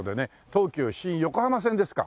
東急新横浜線ですか。